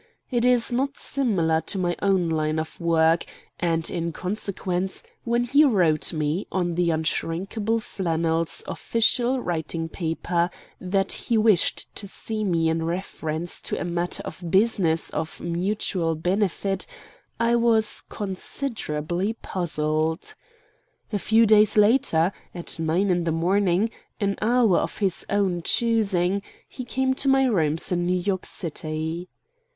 It is not similar to my own line of work, and in consequence, when he wrote me, on the unshrinkable flannels official writing paper, that he wished to see me in reference to a matter of business of "mutual benefit," I was considerably puzzled. A few days later, at nine in the morning, an hour of his own choosing, he came to my rooms in New York City.